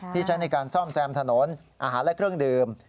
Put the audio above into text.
ใช้ในการซ่อมแซมถนนอาหารและเครื่องดื่ม